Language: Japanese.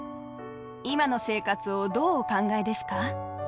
今の生活をどうお考えですか？